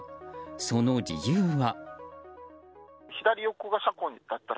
その理由は。